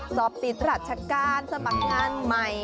สอบปิดหลักฉการสมัครงานใหม่